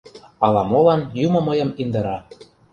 Ала-молан юмо мыйым индыра: